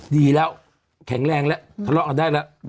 ดีแล้วแข็งแรงแล้วทะเลาะกันได้แล้ว